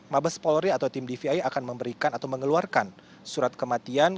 mabes polri atau tim dvi akan memberikan atau mengeluarkan surat kematian